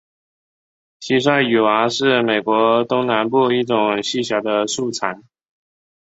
蟋蟀雨蛙是美国东南部一种细小的树蟾。